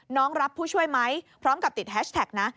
น้องรับผู้ช่วยไหมพร้อมกับติดแฮชแท็กนะ